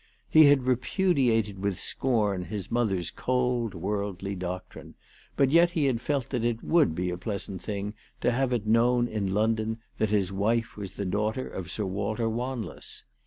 He had repudiated with scorn his mother's cold, worldly doctrine; but yet he had felt that it would be a pleasant thing to have it known in London that his wife was the daughter of Sir Walter "VVanless.